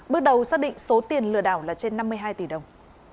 bước đầu xác định số tiền lừa đảo là trên năm mươi hai tỷ đồng